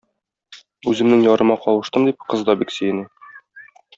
Үземнең ярыма кавыштым, - дип, кыз да бик сөенә.